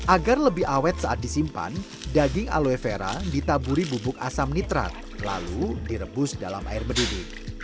agar lebih awet saat disimpan daging aloe vera ditaburi bubuk asam nitrat lalu direbus dalam air mendudu